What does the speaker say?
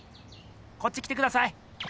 こっち来てください！